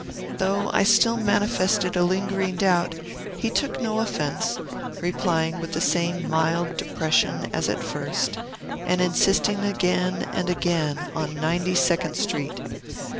Though I still manifested a lingering doubt, he took no offence, replying with the same mild depression as at first, and insisting again and again on Ninety second Street.